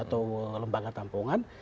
atau lembaga tampungan